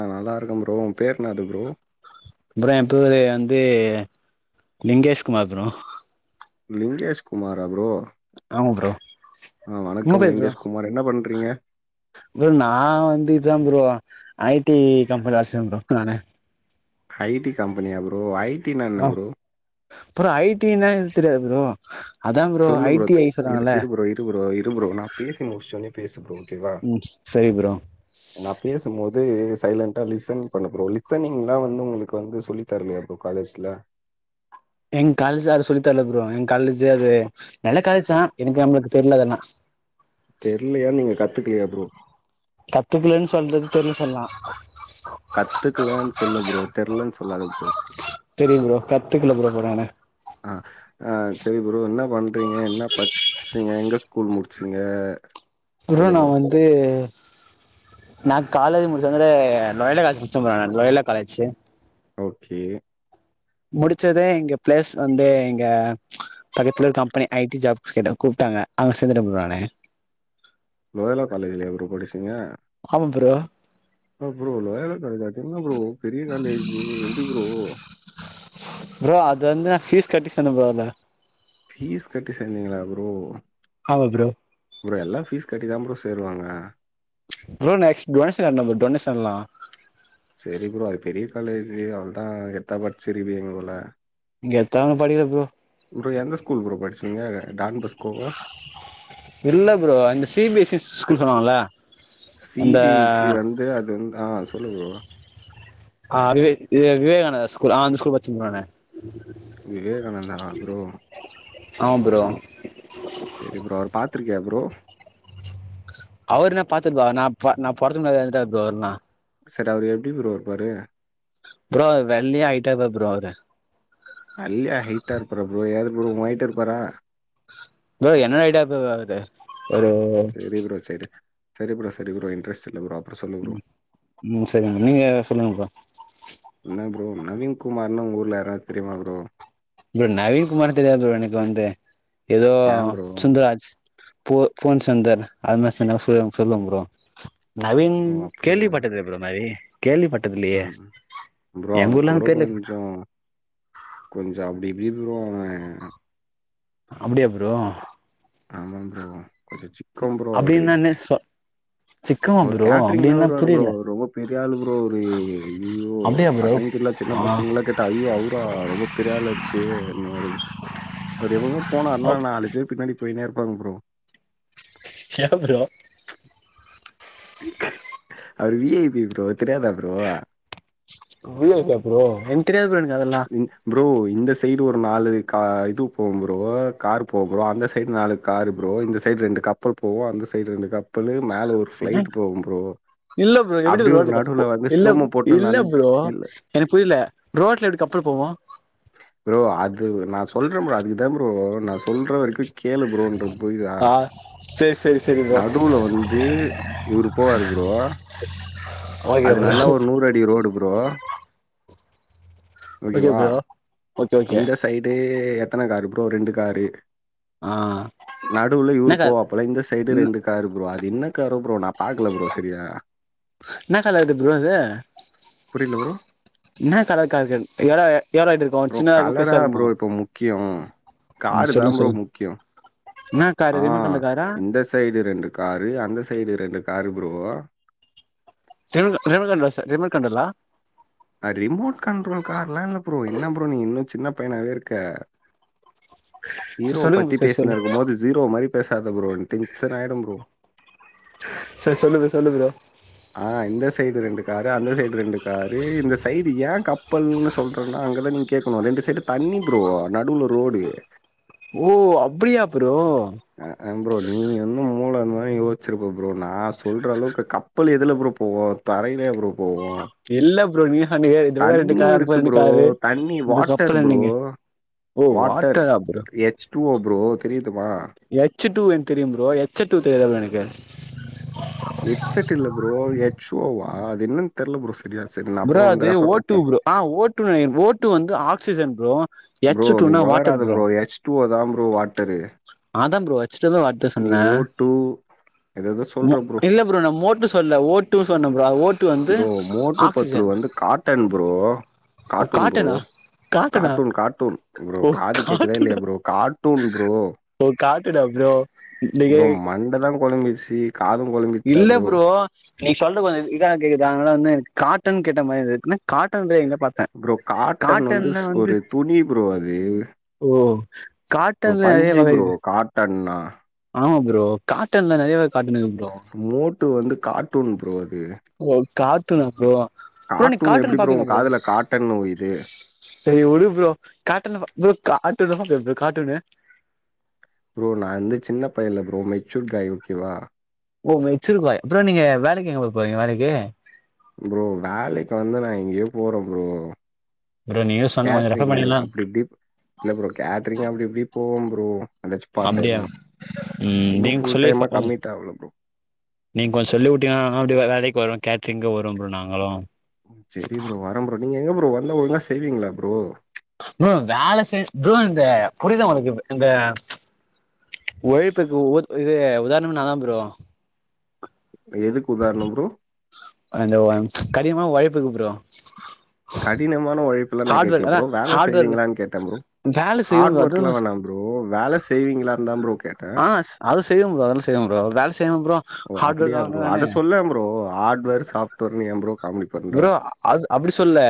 நா நல்லா இருக்கே ப்ரோ உ பேர் என்னது ப்ரோ ப்ரோ எ பேரு வந்து லிங்கேஷ்குமார் ப்ரோ லிங்கேஷ் குமாரா ப்ரோ ஆமா ப்ரோ ஆ உங்க வணக்கம் பேர் ப்ரோ லிங்கேஷ்குமார் என்ன பண்றீங்க ப்ரோ நா வந்து இதாம்ப்ரோ ஐ டி கம்பன்ல வேல செய்ற ப்ரோ நானு ஐ டி கம்பனியா ப்ரோ ஐ டினா என்ன ப்ரோ புரோ ஐ டினா தெரியாது ப்ரோ அதா ப்ரோ சொல்லு ஐ டி ஐ இரு சொல்வாங்கல இரு ப்ரோ இரு ப்ரோ இரு ப்ரோ நா பேசி முடிச்சோனே பேசு ப்ரோ ஓகேவா ம் சரி ப்ரோ நா பேசும் போது சைலன்டா லிசன் பண்ணு ப்ரோ லிசனிங்லா வந்து உங்ளுக்கு வந்து சொல்லி தர்லியா ப்ரோ காலேஸ்ல எங் காலேஜு யாரு சொல்லிதர்ல ப்ரோ எங் காலேஜூ அது நல்ல காலேஜ் தா எனுக்கு நம்ளுக்கு தெர்ல அதல்லா தெர்லயா நீங்க கத்துக்லியா ப்ரோ கத்துக்லன் சொல்றது தெர்ல சொல்லா கத்துகலன் சொல்லு ப்ரோ தெர்லன் சொல்லாத ப்ரோ கத்துகில ப்ரோ இப்போ நானு ஆ அ சரி ப்ரோ என்ன பண்றீங்க என்ன பட்ச் சீங்க எங்க ஸ்கூல் முட்ச்சீங்க ப்ரோ நா வந்து நா காலேஜு முடிச் வந்து லொயலே கால்ஜ் முச்ச ப்ரோ நானு லொயலா காலேஜ்ஜு ஓகே முடிச்சதே இங்க பிளேஸ் வந்து இங்க பக்கத்துல இருக் கம்பெனி ஐ டி ஜாப்க் என்ன கூப்டாங்க அங்க சேந்துட ப்ரோ நானு லொயலா காலேஜ்லயா ப்ரோ படிச்சீங்க ஆமா ப்ரோ அ ப்ரோ லொயால காலேஜா என்ன ப்ரோ பெரிய காலேஜூ எப்டி ப்ரோ ப்ரோ அது வந்து நா ஃபீஸ் கட்டி சேந்தே ப்ரோ அங்க ஃபீஸ் கட்டி சேந்தீங்ளா ப்ரோ ஆமா ப்ரோ ப்ரோ எல்லா ஃபீஸ் கட்டி தா ப்ரோ சேர்வாங்க ப்ரோ நா எக்ஸ் டொனேஷன் கட்னே ப்ரோ டொனேஷன்லா செரி ப்ரோ அது பெரிய காலேஜு அவ்ளதா கெத்தா படிச்சிருப்பீங்க போல கெத்தா ஒன்னு படிக்ல ப்ரோ ப்ரோ எந்த ஸ்கூல் ப்ரோ படிச்சீங்க டான் பஸ்கோவா இல்ல ப்ரோ இந்த C B S E school சொல்லுவாங்ளா சி பி சி வந்து அது வந் ஆ சொல்லு ப்ரோ ஆ விவே இது விவேகானந்தா ஸ்கூல் ஆ அந்த ஸ்கூல் பச்சே ப்ரோ நா விவேகானந்தாவா ப்ரோ ஆமா ப்ரோ செரி ப்ரோ அவர் பாத்துருக்கியா ப்ரோ அவர நா பாத்துர் ப்ரோ நா பொ நா பொறத்து முன்னாடி எறந்டார் ப்ரோ நா செரி அவரு எப்டி ப்ரோ இர்ப்பாரு ப்ரோ வெள்ளயா ஐய்ட்டா இர்ப்பார் ப்ரோ அவுரு வெள்யா ஹைட்டா இருப்பாரா ப்ரோ எது ப்ரோ ஒ ஹைட்டு இருப்பாரா ப்ரோ என்னட ஹைட்டா இருப்பாரு ப்ரோ அவுரு ஒரு செரி ப்ரோ செரி ப்ரோ செரி ப்ரோ செரி ப்ரோ இன்ட்ரஸ்ட் இல்ல ப்ரோ அப்றோ சொல்லு ப்ரோ ம் செரிங்க நீங்க சொல்லுங்க ப்ரோ என்ன ப்ரோ நவீன் குமார்னு உங்க ஊர்ல யாராது தெரிமா ப்ரோ ப்ரோ நவீன் குமார் தெரியாது ப்ரோ எனக்கு வந்து எதோ ஏன் ப்ரோ? சுந்தராஜ் போ ஃபோன் சந்தர் அதுமார் சொன்னா [unintelligible] சொல்வே ப்ரோ நவீன் ஓ! அப்படியா? கேள்வி பட்டதில்ல ப்ரோ அத மாரி கேள்விப்பட்டதில்லியே ம். ப்ரோ எங்க அவனுக்கு ஊர்ல அந்த பேர்ல கொஞ்சோ அப்டி இப்டி ப்ரோ அவே அப்டியா ப்ரோ ஆமாம் ப்ரோ கொஞ்சோ சிக்கம் ப்ரோ அவுரு அப்டின்னானு சொ சிக்கமா அவர் ப்ரோ கேட்டரிங்லா அப்டின்னா வருவாரு ப்ரோ புரியல அவர் ரொம்ப பெரியாளு ப்ரோ அவரு ஐய்யய்யோ அப்டியா ப்ரோ பசங்கிட்டலா சின்ன ஆ பசங்லா கெட் ஐயோ அவரா ரொம்ப பெரியாளாச்சு அந் மாரி அவர் எப்பவுமே போனாருனா நாளு பேரு பின்னாடி போயின்னே இருப்பாங்க ப்ரோ ஏன் ப்ரோ அவுரு விஐபி ப்ரோ தெரியாதா ப்ரோ வி ஐ பியா ப்ரோ என்க் தெரியாது ப்ரோ எனக்கு அதெல்லா ப்ரோ இந்த சைடு ஒரு நாலு கா இது போவு ப்ரோ கார் போம் ப்ரோ அந்த சைடு நாலு காரு ப்ரோ இந்த சைடு ரெண்டு கப்பல் போவு அந்த சைடு ரெண்டு கப்பலு மேல ஒரு என்ன ஃபிளைட் போகும் ப்ரோ இல்ல ப்ரோ எப்டி ப்ரோ அப்டியே ஒரு ரோட்ல கப் நடுவுல வந்து இல்ல ஸ்லோமோ போட்டு இல்ல நந்து ப்ரோ இல்ல எனக்கு புரில ரோட்ல எப்டி கப்பல் போவு ப்ரோ அது நா சொல்றே ப்ரோ அதுக்குதா ப்ரோ நா சொல்ற வரைக்கு கேளு ப்ரோன்றது புரிதா சேர் சேர் செரி நடுவுல வந்து இவுர் போவார் ப்ரோ ஆஹ [inaudible] அது நல்லா ஒரு நூறு அடி road bro okay bro okay okay அந்த சைடு எத்தன காரு ப்ரோ ரெண்டு காரு ஆ நடுவுல என்ன கலர் இவுருப்போவாப்பல இந்த சைடு ரெண்டு காரு ப்ரோ அது இன்ன காரு ப்ரோ நா பாக்குல ப்ரோ செரியா என்னா கலர்இது ப்ரோ அது புரியல ப்ரோ. என்னா கலர்கார்கள் எட யார் ஆய்ட்டு இருக்கு ப்ரோ சின்னதாருக்கு கலரா பெருசா இருக்குமா ப்ரோ இப்போ முக்கியம். காரு ம் தான் சொல்லுங்க ப்ரோ சொல்லுங்க முக்கியம். என்ன ஆ காரு ரிமோட்க்கண்ல காரா இந்த சைடு ரெண்டு காரு அந்த சைடு ரெண்டு காரு ப்ரோ ரிமோ ரிமோகண் லஸ் ரிமோட்கண்ட்ரல்லா ரிமோட் கண்ட்ரோல்கார்லா இல்ல ப்ரோ என்னா ப்ரோ நீ இன்னு சின்ன பையனாவே இருக்க சார் இரோ பத்தி சொல்லுங்க சார் சொல்லு பேசினிருக்கு மோது ஸிரோ மாரி பேசாத ப்ரோ எனக் டென்ஷன் ஆயிடு ப்ரோ சேர் சொல்லுது சொல்லு ப்ரோ அ இந்த சைடு ரெண்டு காரு அந்த சைடு ரெண்டு கா டு இந்த சைடு ஏ கப்பல்ன்னு சொல்றன்னா அங்கதா நீங்க கேக்கணு ரெண்டு சைடு தண்ணி ப்ரோ நடுவுல ரோடு ஓ அப்டியா ப்ரோ ஹக்கம் ப்ரோ நீ வந்து மூல இர்ந்தா யோசிச்சிருப்ப ப்ரோ நா சொல்ற அளவுக்கு கப் ப்பல் எதுல ப்ரோ போவு தரையிலயா ப்ரோ போவு இல்ல ப்ரோ நீ ஹனுக இந்தப்பக்க ரெண்டு தண்ணி கார் இருக்கு அந்தப்பக்க ரெண்டு ப்ரோ காரு தண்ணி இது வாட்டர் கப்பல ப்ரோ நீங்க ஓ வாட்டர்ரா ஆ ப்ரோ ஸ்டூவா ப்ரோ தெரியுதுமா எஹ ச் டு எனக்கு தெரியு ப்ரோ எஹ ச் ச டூ தெரியாத ப்ரோ எனக்கு எட் செட் இல்ல ப்ரோ ஹெச்ஓவா அது என்னன் தெர்ல ப்ரோ சரியா சரி நா அப்புற ப்ரோ வந்து அது ரெஃபர் ஓ டூ பண்ட்டீ ப்ரோ ஆ ஓ ட்டு நெனக்கிற வந்து ஆக்சிஜன் ப்ரோ ப்ரோ எச் நீ டூனா வாட்டர் ஒளராத ப்ரோ எஹச் டூ ஓ தா ப்ரோ வாட்டரு அதா ப்ரோ ஹச் சுட்டு ஓ வாட்ரு நீ சொன்ன ஓ டூ ஏதேதோ ம சொல்ற இல்ல ப்ரோ நா மோட்டு சொல்ல ஓ ட்டு சொன்ன ப்ரோ ஓ ட்டு வந்து ப்ரோ மோட்டு பத்துலு ஆக்சிஜன் வந்து காட்டன் ப்ரோ ஓ கார்டுன் ப்ரோ காட்டனா காட்டனா டூன் காட்டூன் காட்டூன் ப்ரோ ஓ காது கேக்குதா இல்லியா காட்டுடா ப்ரோ கார்ட்டூன் ப்ரோ ஓ கார்ட்டுன்னா ப் ப்ரோ மண்ட தா கொழம்பிர்ச்சு காதும் கொழம்பிட்ச்சா அ ப்ரோ நீ சொல்ற கொஞ்ச இதா கேக்குது அதனால வந்து என் காட்டன் கேட்ட மாரிருக்கு என்னா காட்டன்ரியே என்ன பாத் ப்ரோ காட்டன் வந்து ஸ் ஒரு துணி ப்ரோ அது ஓ காட்டன்ல அதே வக இது டண்ணா ஆமா ப்ரோ காட்டன்ல நெறையவே காட்டன் இக்கு ப்ரோ ட்டு வந்து கார்ட்டூன் ப்ரோ அது ஓ கார்ட்டுனா ப்ரோ ப்ரோ நீங்க கார்டூன் எப்புடி கார்ட்டூன் ப்ரோ உ பாப்பீங்களா காதுல காட்டன்னு உய்து சரி உடு ப்ரோ காட்டன் அ ப்ரோ காட்டூன்ல பாப்பியா ப்ரோ காட்டூன்னு ப்ரோ நா அந்து சின்ன பையன்யில்ல ப்ரோ மெச்சூட் காய் ஓக்கேவா ஓ மெச்சுர் காய் அப்புற நீங்க வேலைக்கு எங்க ப்ரோ போறீங்க வேலைக்கு ப்ரோ வேலைக்கு வந்து நான் எங்கயோ போற ப்ரோ ப்ரோ நீங்க சொன்ன கொஞ்சோ ரெஃபர் கேட்டரிங் பண்ணீங்கன்னா அப்டிப்டி இல்ல ப்ரோ கேட்டரிங் அப்டி இப்டி போகு ப்ரோ [unintelligible] பார்ட் அப்டியா டைம்மு ம் இன்னு நீங்க ஃபுல் சொல்லி டைமா கொஞ்சோ கம்மிட் ஆகுனு ப்ரோ நீங்க கொஞ்சோ சொல்லி வுட்டீங்னா நானா அப்டி வே வேலைக் வருவ கேட்டரிங்க்கு வருவ ப்ரோ நாங்களு சேரி ப்ரோ வரே ப்ரோ நீங்க எங்க ப்ரோ வந்தா ஓழுங்கா செய்வீங்களா ப்ரோ ப்ரோ வேல செய் ப்ரோ இந்த புரியதா உனக்கு இப் இந்த ஒழைப்புக்கு ஒ இது உதாரணமே நாதா ப்ரோ எதுக்கு உதாரணம் ப்ரோ அந்த [unintelligible] கடினமா ஒழைப்பிற்க்கு ப்ரோ கடினமான ஒழைப்புலா நா ஹார்ட் கேக்ல ஒர்க் அதா ப்ரோ வேல ஹார்ட் ஒர்க் செய்வீங்களான் கேட்டே ப்ரோ வேல ஹார்ட் செய்வோ ஒர்க்லாம் அதுவு வேணாம் ப்ரோ வேல செய்விங்களாந்தான் ப்ரோ கேட்டே ஆ அது செய்வே ப்ரோ அதெல்லா செய்வே ப்ரோ வேல செய்யாம அப்றோ ஓ அப்டியா ப்ரோ அத சொல்லே ப்ரோ ஹார்ட்வேர் சாஃப்ட்வேர்னு ஏ ப்ரோ காமெடி பண்ற? ப்ரோ அது அப்டி சொல்ல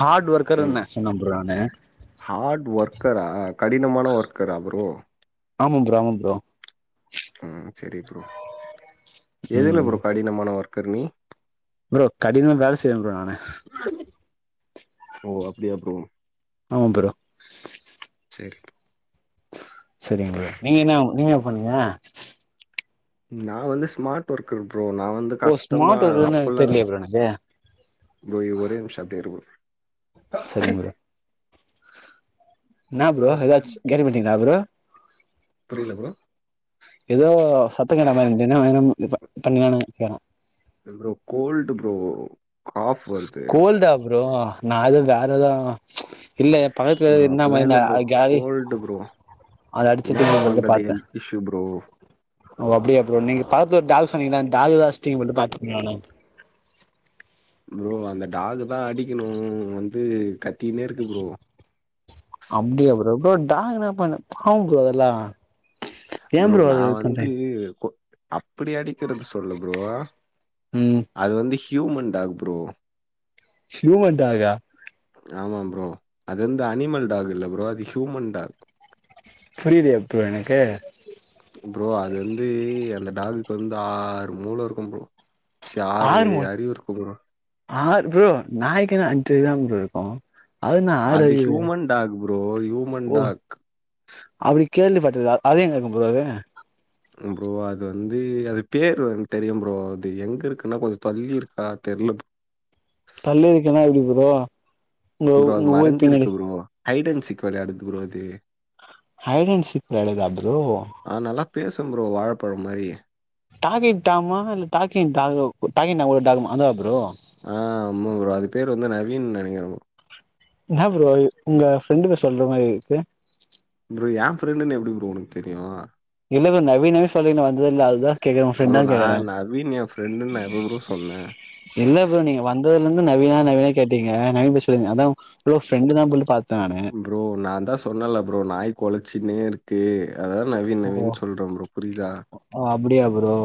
ஹார்ட் ம். ஒர்க்கர்ன சொன்னே ப்ரோ நானு ஹார்ட் ஒர்க்கரா கடினமான ஒர்க்கரா ப்ரோ ஆமா ப்ரோ ஆமா ப்ரோ ம் சேரி ப்ரோ எதுல ம் ப்ரோ கடினமான ஒர்க்கர் நீ ப்ரோ கடினமா வேல செய்வே ப்ரோ நானு ஓ அப்டியா ப்ரோ ஆமா ப்ரோ சேரி நீங்க என்ன நீங்க என்ன பண்ணீங்க நா வந்து ஸ்மார்ட் ஒர்க்கர் ப்ரோ நா வந்து ஓ கஷ்டமா ஸ்மார்ட் [unintelligible] ஒர்க்குன்னு அப்டில்லா தெரியலையே ப்ரோ எனக்கு ப்ரோ இ ஒரே நிமிஷோ அப்டியே இரு ப்ரோ செரிங் ப்ரோ என்னா ப்ரோ எதாச் கேள்விபட்டிங்களா ப்ரோ புரியில ப்ரோ ஏதோ சத்தம் கேட்ட மாரி இருந்துச்சு என்ன van [unintelligible] bro cold bro cough வருது கோல்டா ப்ரோ நா எதோ வேறேதோ ச் இல்ல பக்கத்துல எதோ ப்ரோ இருந்த அப்பெல்லாம் இல்லை ப்ரோ மாரி கோல்டு [unintelligible] ப்ரோ அத அடிச்சுட்டு நா வந்து பாத்தே இஷு புரோ ஓ அப்டியா ப்ரோ நீங்க பாத்து ஒரு டாக் சொன்னீங்களா அந்த டாக்கதா அடிச்சுடீங்க போலேன்டு பாத்துட் ருந்தே நானு ப்ரோ அந்த டாக்கு தா அடிக்கணு வந்து கத்தினே இருக்கு ப்ரோ அப்டியா ப்ரோ ப்ரோ டாக் என்ன பண்ணு பாவம் ப்ரோ அதெல்லா ஏ ப்ரோ நா அது இது வந்து பண்றீங்க கோ அப்டி அடிக்கறது சொல்ல ப்ரோ ம் அது வந்து ஹியூமன் டாக் ப்ரோ ஹியூமன் டாக்கா ஆமா ப்ரோ அது வந்து அனிமல் டாக் இல்ல ப்ரோ அது ஹியூமன் டாக் புரியிலயே ப்ரோ எனக்கு ப்ரோ அது வந்து அந்த டாக்குக்கு வந்து ஆ ஆ ஆறு மூல இருக்கு ப்ரோ ச்செ ஆறு அறிவு இருக்கு ப்ரோ ஆர் ப்ரோ நாயிக்குனா அஞ்சு அறிவு தா ப்ரோ இருக்கு அது என்ன ஆறு அது அறிவு ஹூயுமன் டாக் ப்ரோ ஹூயுமன் ஓ டாக் அப்டி கேள்விப்பட்டதுல்ல அ அது எங்க இருக்கு ப்ரோ அது ம் ப்ரோ அது வந்து அது பேரு வந்து தெரியு ப்ரோ அது எங்க இருக்குன்னா கொஞ்சோ தள்ளி இருக்கா தெரில ப் தள்ளி இருக்குன்னா எப்டி ப்ரோ உங்க ப்ரோ அது உங்க ஊர் பின்னாடி மறஞ்சிருக்கு ப்ரோ ஹைட் அண் சிக் வெளையாடுது ப்ரோ அது ஹைட் அண் சிக் விளையாடுத்தா ப்ரோ ஆ நல்லா பேசு ப்ரோ வாழப்பழோ மாரி டாக்கிக் டாம்மா இல்ல டாக்கிங் டாக்கா டாக்கின் [unintelligible] அதுவா ப்ரோ ஆ அமா ப்ரோ அது பேர் வந்து நவீன்னு நெனைக்கற ப்ரோ என்னா ப்ரோ உங்க ப்ரெண்டு பேர் சொல்ற மாரி இருக்கு ப்ரோ ஏ ஃப்ரெண்டுன்னு எப்படி ப்ரோ உனக்கு தெரியு இல்லல்ல நவீனு சொல்லின்னு வந்துதுல்ல அதுதா கேக்குறே உங்க ப்ரோ ஃப்ரெண்டான்னு நா கேக்குறே நவீன் ஏ ஃப்ரெண்டுன்னு நா எப்ப ப்ரோ சொன்ன இல்ல ப்ரோ நீங்க வந்ததுல இருந்து நவீனா நவீனா கேட்டீங்க நவீன் பேர் சொல்லீங்க அதா [unintelligible] ஃப்ரெண்டு தானு போலி பாத்த நானு ப்ரோ நா தா சொன்னல்ல ப்ரோ நாய் கொழச்சின்னே இருக்கு அதா நவீன் ஓ நவீன் சொல்ற ப்ரோ புரிதா ஓ அப்டியா ப்ரோ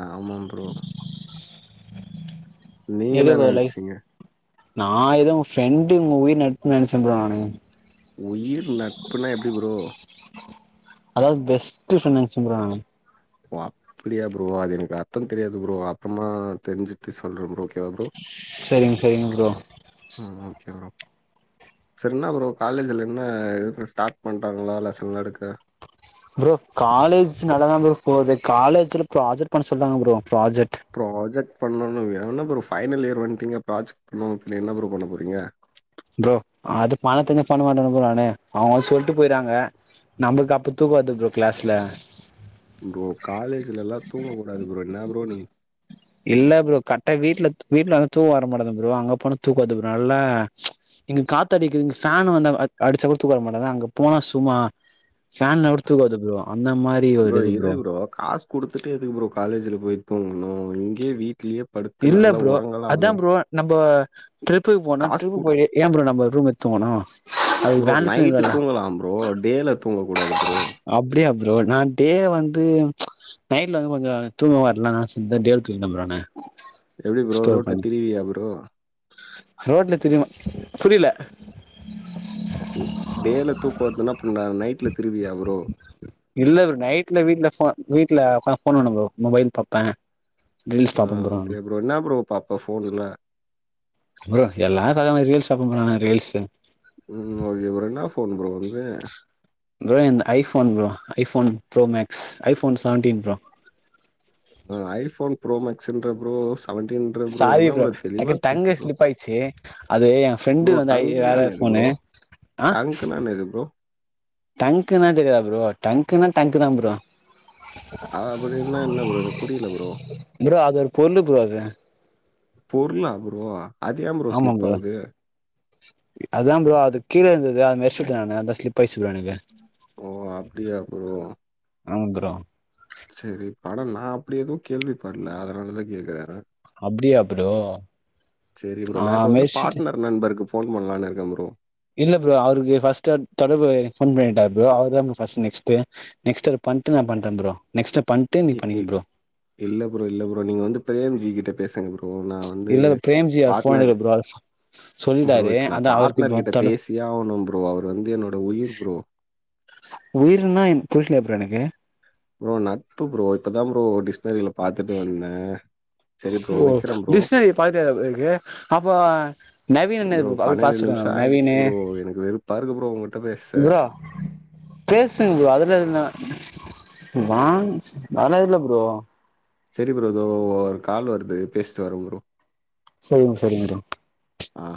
ஆமா ப்ரோ நீங்க இதே என்ன வளை நெனைச்சீங்க? நா ஏதோ உங்க ஃப்ரெண்டு உயிர் நட்புன்னு நெனச்ச ப்ரோ நானு உயிர் நட்புனா எப்படி ப்ரோ அதாவது பெஸ்ட்டு பிரண்ட்டுனு [unintelligible] ஓ அப்படியா ப்ரோ அது எனக்கு அர்த்தோ தெரியாது ப்ரோ அப்பறமா தெரிஞ்சுட்டு சொல்ற ப்ரோ ஓகேவா ப்ரோ செரிங் செரிங்க ப்ரோ ம் ஓகே ப்ரோ செர்னா ப்ரோ காலேஜில என்ன [unintelligible] ஸ்டார்ட் பண்ட்டாங்களா லெசன்லா எடுக்க ப்ரோ காலேஜ் நல்லா தா ப்ரோ போது காலேஜ்ல ப்ராஜெக்ட் பண்ண சொல்றாங்க ப்ரோ ப்ராஜெக்ட் ப்ராஜெக்ட் பண்ணணு வேற என்ன ப்ரோ பைனல் இயர் வன்ட்டிங்க ப்ராஜெக்ட் பண்ணாமா பின்ன என்ன ப்ரோ பண்ண போறீங்க ப்ரோ அது பண்ண தெரிஞ்சா பண்ண மாட்டன்னா ப்ரோ நானு அவங்க வந்து சொல்ட்டு போய்றாங்க நமக்கு அப்ப தூக்கோ வருது ப்ரோ கிளாஸ்ல ப்ரோ காலேஜ்ல எல்லா தூங்கக்கூடாது ப்ரோ என்ன ப்ரோ நீ இல்ல ப்ரோ கரட்டா வீட்டுல வீ்ட்ல வந்து தூக்க வர மாட்டுது ப்ரோ அங்க போனா தூக்கோ வருது ப்ரோ நல்ல இங்க காத்து அடிக்குது இங்க ஃபேன்னு வந்தா அடிச்சா கூட தூக்கோ வர மாட்டிங்குது அங்க போனா சும்மா ஃப்பேன் இல்லனா கூட தூக்கோ வருது ப்ரோ அந்த மாரி ஒரு ப்ரோ இது இரு ப்ரோ காசு குடுத்துட்டு எதுக்கு ப்ரோ காலேஜ்ல போய் தூங்குணு இங்கயே வீட்லயே படுத்து இல்ல நல்லா ப்ரோ அதா ஒரங்களாமே ப்ரோ நம்ப ட்ரிப்புக்கு போனா ட்ரிப்புக்கு குடு போய்ட்டு ஏ ப்ரோ நம்ப ரூம் எடுத்து தூங்கணு அது ப்ரோ வேன்ல நைட்டு தூங்கிடலால்ல தூங்கலா ப்ரோ டேல தூங்கக்கூடாது ப்ரோ அப்டியா ப்ரோ நா டே வந்து நைட்ல வந்து கொஞ்சோ தூங்க வர்லனா சி தேட்டியோ தூங்கிட ப்ரோ நானு எப்டி ப்ரோ ஸ்டோர் ரோட்ல பண்ணி திரிவியா ப்ரோ ரோட்ல திரிமா புரில டேல தூக்கோவர்துன்னா அப்புனா நைட்ல திருவியா ப்ரோ இல்ல ப் நைட்ல வீட்ல போ வீட்டு்ல உக்காந் போன் நோண்டு ப்ரோ மொபைல் பாப்ப ஆ ஓகே ப்ரோ என்னா ப்ரோ பாப்ப போன்ல ப்ரோ எல்லாக்கு அதே மாரி ரீல்ஸ் அப்ப [unintelligible] ரீல்ஸ்ஸு ம் ஓகே ப்ரோ என்னா ஃபோன் ப்ரோ ஒன்து ப்ரோ என்து iPhone bro iPhone bro maths iPhone seventeen bro ஆ ஐஃபோன் ப்ரோ மேக்ஸ்ன்ற ப்ரோஸ் சாரி ப்ரோ ட டங்கு ப்ரோ ஸ்லிப் ஆய்ச்சு அது என் ஃப்ரெண்டு வந்து வேற ஃபோனு டங்குன்னா என்னாது ப்ரோ டங்க்னா தெரியாதா ப்ரோ டங்க்குனா டங்கு தா ப்ரோ அப்டின்னா என்ன ப்ரோ எனக்கு புரில ப்ரோ ப்ரோ அது ஒரு பொருளு ப்ரோ அது பொருளா ப்ரோ அது ஏ ப்ரோ ஸ்லிப் ஆது அதுதா ப்ரோ அது கீழேந்துது அது மெரூச்சுட்ட நானு அதா ஸ்லிப் ஆய்ச்சு ப்ரோ எனக்கு ஓ அப்டியா ப்ரோ ஆமா ப்ரோ செரி பட நா அப்டி எதுவு கேள்வி படல அதனாலதா கேக்குற அப்டியா ப்ரோ நா மெர்சிட்டு ஒரு நண்பருக்கு ஃபோன் பண்ணலான் இருக்க ப்ரோ இல்ல ப்ரோ அவருக்கு ஃபர்ஸ்ட்டன் தொடர்பு ஃபோன் பண்ணிட்டாரு ப்ரோ அவர் தா ஃபர்ஸ்ட் நெக்ஸ்ட்டு நெக்ஸ்ட் அவர்க்கு பண்ட்டு நா பண்ற ப்ரோ நெக்ஸ்டு பண் இஇ இல்ல ப்ரோ இல்ல ப்ரோ நீங்க வந்து பிரேம்ஜி கிட்ட பேசுங் ப்ரோ போ நா வந்து இல்ல பிரேம்ஜி அவர் ஃபோன் பாட்னர் எடுக்கல ப்ரோ அவர் ப்ரோ சொல்லிட்டாரு இப்பொ நா அதா அவருக்கு பாட்னர் இப்ப கிட்ட தொட பேசியே ஆவ்னு ப்ரோ அவர் வந்து என்னோட உயிர் ப்ரோ உயிர்ன்னா என்க் புரில ப்ரோ எனக்கு ப்ரோ நட்பு ப்ரோ இப்பதா ப்ரோ டிக்ஷ்னரில பாத்துட்டு வந்த ஓ டிஷ்னரி பாத்தியா ப்ரொ க்கு அப்போ நவீன் என்ன பன்னெண்டு நிம்ஷ ஆய்டுச்சு ப்ரோ எனக்கு வெறுப்பா இருக்கு ப்ரோ உங்கிட்ட பேச ப்ரோ பேசுங்க ப்ரோ அதுல என்ன வாங்ஸ் அத்லா இல்ல ப்ரோ செரி ப்ரோ எதோ ஒரு கால் வருது பேஸ்ட்டு வர ப்ரோ சரிங் சரிங் ப்ரோ ஆ.